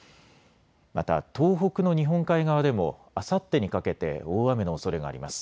また東北の日本海側でもあさってにかけて大雨のおそれがあります。